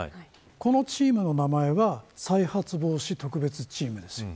このチームの名前は再発防止特別チームですよね。